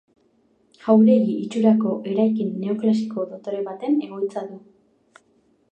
Jauregi itxurako eraikin neoklasiko dotore baten egoitza du.